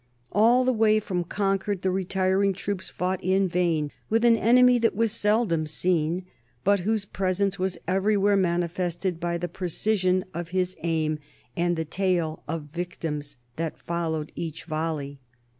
All the way from Concord the retiring troops fought in vain with an enemy that was seldom seen, but whose presence was everywhere manifested by the precision of his aim and the tale of victims that followed each volley.